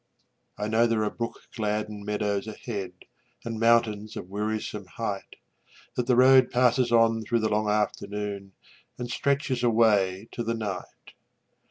I know there are brook gladdened meadows ahead, And mountains of wearisome height; That the road passes on through the long afternoon And stretches away to the night.